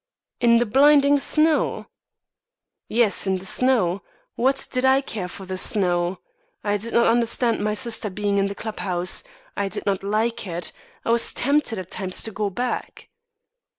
"In the blinding snow?" "Yes, in the snow. What did I care for the snow? I did not understand my sister being in the club house. I did not like it; I was tempted at times to go back."